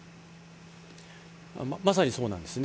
まさにそうなんですね。